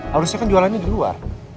harusnya kan jualannya di luar